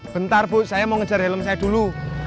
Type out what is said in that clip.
bentar bu saya mau ngejar helm saya dulu